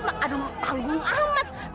masih tanggung amat